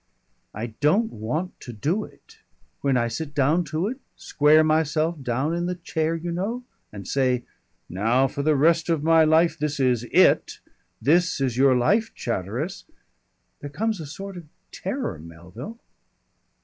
"I don't want to do it. When I sit down to it, square myself down in the chair, you know, and say, now for the rest of my life this is IT this is your life, Chatteris; there comes a sort of terror, Melville."